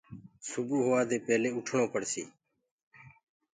سبو هووآ دي پيلي اُٺڻو پڙسيٚ